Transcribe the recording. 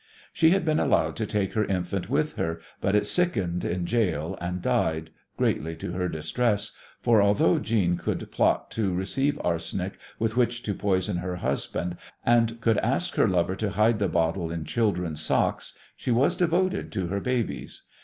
She had been allowed to take her infant with her, but it sickened in goal and died, greatly to her distress, for although Jeanne could plot to receive arsenic with which to poison her husband, and could ask her lover to hide the bottle in children's socks, she was devoted to her babies.